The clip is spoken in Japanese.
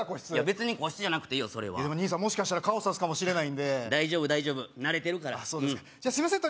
別に個室じゃなくていいよそれはでも兄さんもしかしたら顔さすかもしれないんで大丈夫大丈夫慣れてるからあっそうですかじゃあすいません